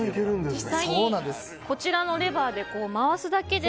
実際にこちらのレバーを回すだけで。